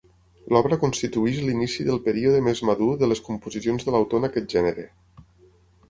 L'obra constitueix l'inici del període més madur de les composicions de l'autor en aquest gènere.